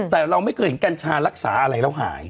แต่เราไม่เคยเห็นกัญชารักษาอะไรแล้วหาย